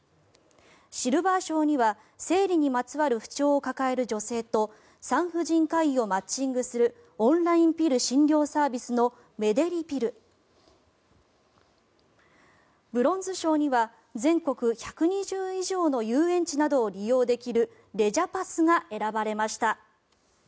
シルバー賞には生理にまつわる不調を抱える女性と産婦人科医をマッチングするオンラインピル診療サービスのｍｅｄｅｒｉＰｉｌｌブロンズ賞には全国１２０以上の遊園地などを利用できるレジャパス！が選ばれました。